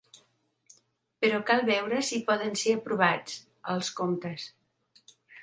Però cal veure si poden ser aprovats, els comptes.